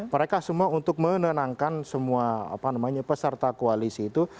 mereka semua untuk menenangkan semua peserta koalisi itu